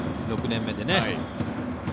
６年目で。